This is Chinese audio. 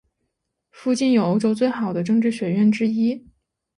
附近有欧洲最好的政治学院之一。